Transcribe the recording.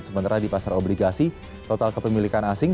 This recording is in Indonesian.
sementara di pasar obligasi total kepemilikan asing